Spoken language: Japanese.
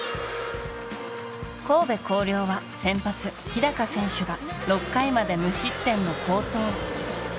神戸弘陵は先発、日高選手が６回まで無失点の好投。